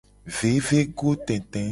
Vevegotete.